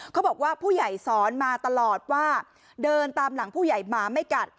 เขาบอกว่าผู้ใหญ่สอนมาตลอดว่าเดินตามหลังผู้ใหญ่หมาไม่กัด